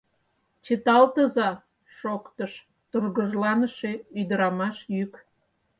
— Чыталтыза! — шоктыш тургыжланыше ӱдырамаш йӱк.